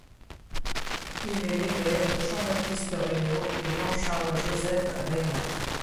Il est l’élève de Jean-Baptiste Regnault et Jean-Charles-Joseph Rémond.